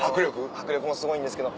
迫力もすごいんですけど。